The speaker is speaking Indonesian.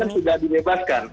ini kan sudah dilepaskan